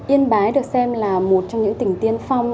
yên bái được xem là một trong những tỉnh tiên phong